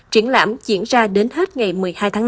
triển lãm diễn ra đến hết ngày một mươi hai tháng năm